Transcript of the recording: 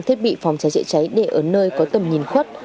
thiết bị phòng cháy chữa cháy để ở nơi có tầm nhìn khuất